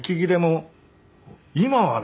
今はね